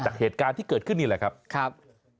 เหตุการณ์ที่เกิดขึ้นนี่แหละครับ